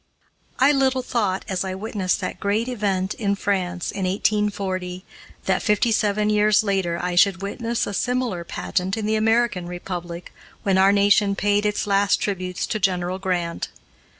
I little thought, as I witnessed that great event in France in 1840, that fifty seven years later I should witness a similar pageant in the American Republic, when our nation paid its last tributes to General Grant.